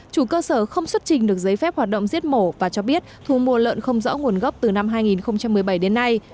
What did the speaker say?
chủ cơ sở không xuất trình được giấy phép hoạt động giết mổ và cho biết thu mua lợn không rõ nguồn gốc từ năm hai nghìn một mươi bảy đến nay